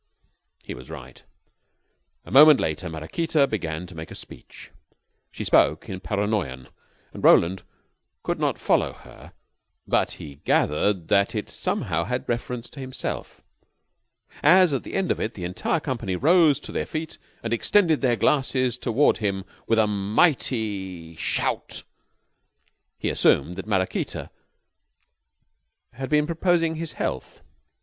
He was right. A moment later Maraquita began to make a speech. She spoke in Paranoyan, and Roland could not follow her, but he gathered that it somehow had reference to himself. As, at the end of it, the entire company rose to their feet and extended their glasses toward him with a mighty shout, he assumed that Maraquita had been proposing his health.